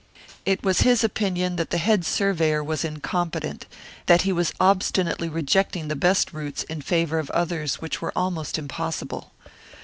It was his opinion that the head surveyor was incompetent, that he was obstinately rejecting the best routes in favour of others which were almost impossible.